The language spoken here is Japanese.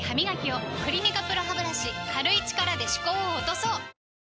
「クリニカＰＲＯハブラシ」軽い力で歯垢を落とそう！